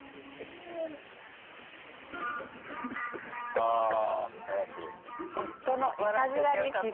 ああ笑ってる。